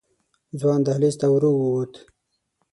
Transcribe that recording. ځوان دهلېز ته ورو ووت.